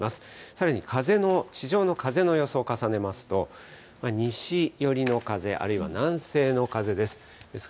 さらに地上の風の予想を重ねますと、西寄りの風、あるいは南西の風です。